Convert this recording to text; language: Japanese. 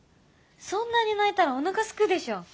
そんなに泣いたらおなかすくでしょ？